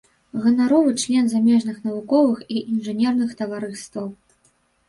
Ганаровы член замежных навуковых і інжынерных таварыстваў.